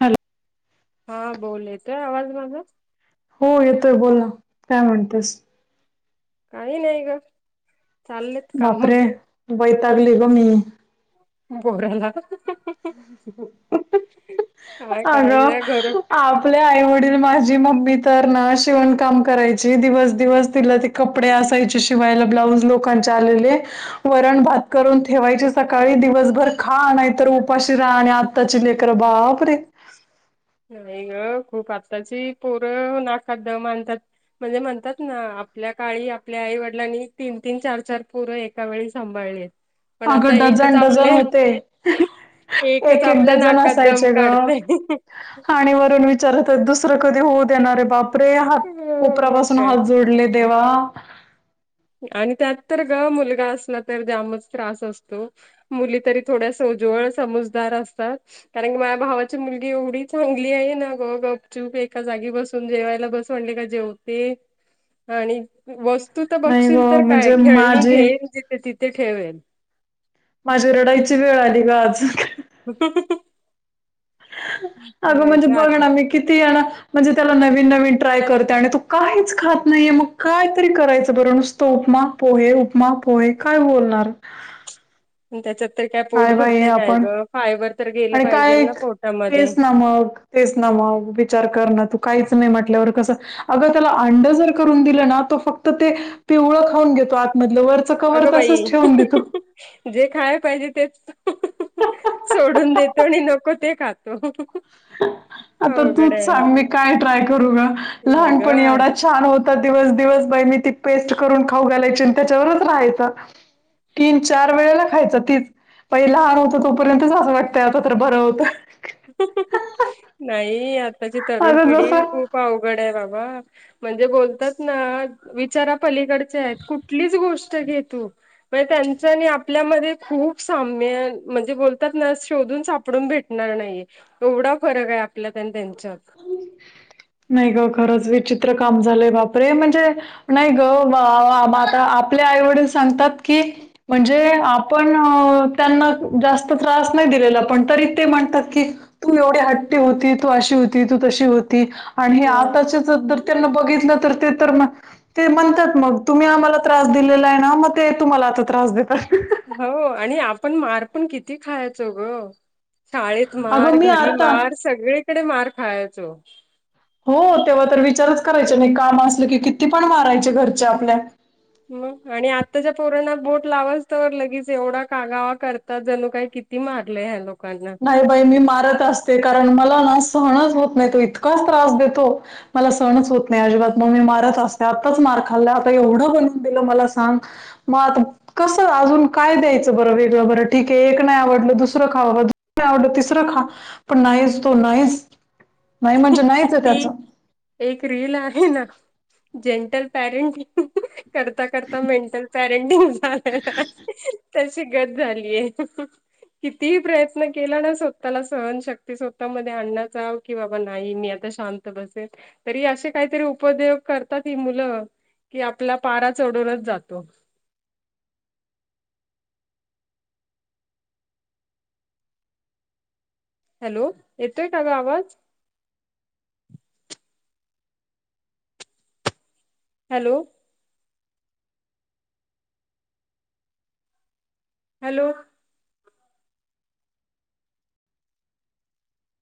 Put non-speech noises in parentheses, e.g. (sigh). Hello. हा बोल येतोय आवाज माझा. हो येतोय बोलना, काय म्हणतेस? काही नाही ग. चाललेत काम बापरे! वैतागली ग मी. बोराला. काय आगं करायचंय घर आपले आई वडील माझी मम्मी तर ना शिवण काम करायची दिवस दिवस तिला ती कपडेय असायचे शिवायला ब्लाऊज लोकांचे आलेले. वरण भात करून ठेवायची सकाळी दिवसभर खा नाय तर उपाशी राण्य आताची लेकर बापरे! नाही ग खूप आत्ताची पोरं नाकात दम आनतात. म्हणजे म्हणतात ना आपल्या काळी आपल्या आई वडिलांनी तीन तीन चार चार पोर एका वेळी सांभाळली. अगं डझन डझन होते. एकच एक एक आपल्या डझन नाकात दम असायचे ग. काढतय आणीवरून विचारत दुसरं कधी होऊ देणारे बाप कोपरे हात, कोपरा्या मग पाासून काय हात जोडले देवा. आणि त्यात तर ग मुलगा असला तर जामच त्रास असतो. मुली तरी थोड्या सोज्वळ समजदार असतात. कारण की माझ्या भावाची मुलगी एवढी चांगली आहे ना ग गपचूप एका जागी बसून जेवायला बस म्हणल का जेवते, आणि वस्तू त नाही बघशील ग तर काय म्हणजे खेळणी माझी घेईल तिथे तिथे ठेवेल. माझी रडायची वेळ आली ग आज. (inaudible) अगं म्हणजे आता बघणा मी किती याला, म्हणजे त्याला नवीन नवीन ट्राय करते आणि तो काहीच खात नाहीये मग काय तरी करायचं बरं नुसतो उपमा पोहे, उपमा पोहे काय बोलणार. त्याच्यात तर काय पोट बाई हे भरतय काय आपण ग फायबर तर गेलं पाहिजेल ना पोटामध्ये. हा मग. तेच ना मग विचार कर ना तू काहीच नाही म्हटल्यावर कसं अगं त्याला अंड जर करून दिलं ना तो फक्त ते पिवळं खाऊन घेतो आतमधलं वर अगं बाई, जे खाया पाहिजे तेच सोडून देतो आणि नको ते खातो. आता अवघड तूच आहे सांग मी काय ट्राय करू ग लहानपण अगं एवढा छान होता दिवस दिवस बाई मी ती पेस्ट करून खाऊ घालायची आणि त्याच्यावरच राहायचं. तीन चार वेळेला खायचं तीच. पहि लहान होतं तोपर्यंतच असं वाटतं आता तर बरं होतं. नाही आताची तरुण अगं पिढी जसं खूप अवघड आहे बाबा. म्हणजे बोलतात ना विचारा पलीकडचे आहेत कुठलीच गोष्ट घे तू. मण त्यांचनी आपल्यामध्ये खूप साम्य म्हणजे बोलतात न शोधून सापडून भेटणार नाही. एवढा फरक आहे आपल्यात आणि त्यांच्यात. नाही ग खरंच विचित्र काम झालंय बापरे म्हणजे नाही ग म आता आपले आई वडील सांगतात की. म्हणजे आपण त्यांना जास्त त्रास नाही दिलेला पण तरी ते म्हणतात की. तू एवढी हट्टी होती तू अशी होती तू तशी होती, आणि हे हो आताचे जर त्यांना बघितलं तर ते तर ना. ते म्हणतात मग तुम्ही आम्हाला त्रास दिलेला आहे ना मग ते तुम्हाला आता त्रास देतात. हो आणि आपण मार पण किती खायचो ग. शाळेत अगं, मार मी घरी आता मार सगळीकडे मार खायचो. हो तेव्हा तर विचारच करायचे नाही काम असलं की किती पण मारायचे घरच्या आपल्या. म आणि आत्ताच्या पोराणात बोट लावाच तर लगेच एवढा कागावा करतात जणू काय कि ती मारले ह्या लोकांना. नाही बाई मी मारत असते कारण मला ना सहणच होत नाही तो इतका त्रास देतो. मला सहणच होत नाही अजिबात मग मी मारत असते आत्ताच मार खाल्ला आता एवढं बनवून दिलं मला सांग. मग आता कसं अजून काय द्यायचं बरं वेगळं बरं ठीक आहे एक नाही आवडलं दुसरं खाव बाबा. दुसरं नाही आवडलं तिसरं खा पण नाहीच तो नाहीच नाही म्हणजे नाही. ती एक रीलील आहे ना जेंटल पेरेंट. करता करता मेंटल पॅरेंटिंग झालय. तशी गत झालीय. कितीही प्रयत्न केला ना स्वतःला सहनशक्ती स्वतः मध्ये आणण्याचा की बाबा नाही मी आ शांत बसेल तरी असे काहीतरी उपद्योग करतात ही मुलं. की आपला पारा चढूनच जातो. हॅलो येतोय का ग आवाज. हॅलो. हॅलो.